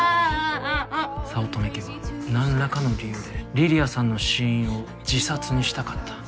早乙女家は何らかの理由で梨里杏さんの死因を自殺にしたかった。